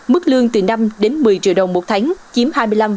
mức lương từ năm đến một mươi triệu đồng một tháng chiếm hai mươi năm